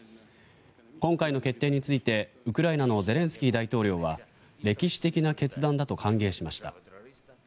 今回の決定についてウクライナのゼレンスキー大統領は歴史的な決断だと歓迎しました。